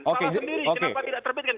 salah sendiri kenapa tidak terbitkan